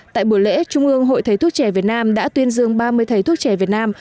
tại buổi lễ trung ương hội thầy thuốc trẻ việt nam đã tuyên dương ba mươi thầy thuốc trẻ việt nam